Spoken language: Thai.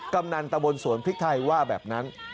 กำนันตะบนสวนพริกไทยว่าแบบนั้น